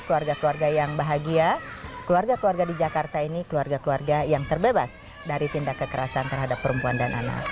keluarga keluarga yang bahagia keluarga keluarga di jakarta ini keluarga keluarga yang terbebas dari tindak kekerasan terhadap perempuan dan anak